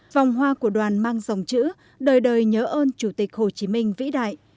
vòng hoa của đoàn mang dòng chữ đời đời nhớ ơn chủ tịch hồ chí minh vĩ đại